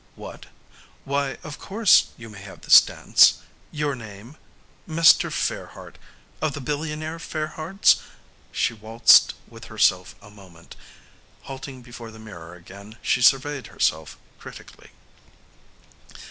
What? Why, of course you may have this dance. Your name? Mr. Fairheart! Of the billionaire Fairhearts?" She waltzed with herself a moment. Halting before the mirror again, she surveyed herself critically.